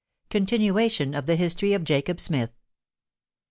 CONTINUATION OF THE HISTORY OF JACOB SMITH.